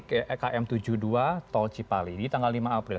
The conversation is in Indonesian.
ke ekm tujuh puluh dua tol cipali di tanggal lima april